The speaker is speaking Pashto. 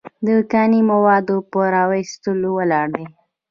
د کاني موادو په را ایستلو ولاړ دی.